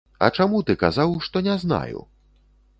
А чаму ты казаў, што не знаю?